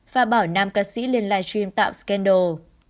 và bảo nam ca sĩ liên live stream tạo scandal